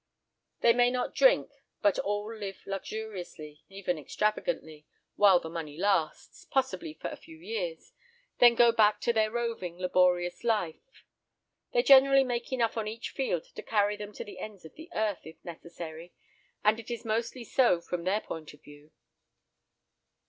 They may not drink, but all live luxuriously, even extravagantly, while the money lasts, possibly for a few years, then go back to their roving, laborious life. They generally make enough on each field to carry them to the ends of the earth, if necessary, and it is mostly so from their point of view.